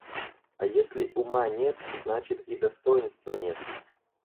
А если ума нет, значит, и достоинства нет.